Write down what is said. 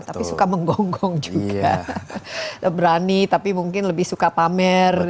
tapi suka menggonggong juga berani tapi mungkin lebih suka pamer